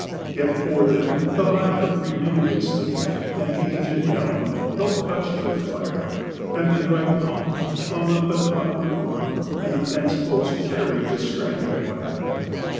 Yet for them the lilac renewed its leaf. And the aged elm, though touched with fire ; And the dry pump flung up an awkard arm ; And the fence post carried a strand of wire.